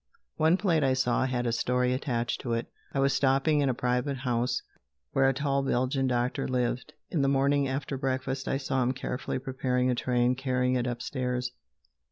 One plate I saw had a story attached to it. I was stopping in a private house where a tall Belgian surgeon lived. In the morning, after breakfast, I saw him carefully preparing a tray and carrying it upstairs.